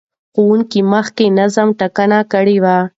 ښوونکي مخکې نظم ټینګ کړی و.